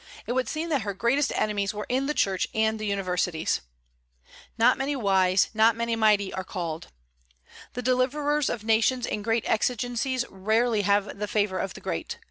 It would seem that her greatest enemies were in the Church and the universities. "Not many wise, not many mighty are called." The deliverers of nations in great exigencies rarely have the favor of the great.